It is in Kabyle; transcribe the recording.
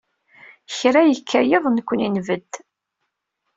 Kra yekka yiḍ nekni nbedd.